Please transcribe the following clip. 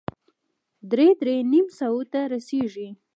درې- درې نيم سوه ته رسېږي.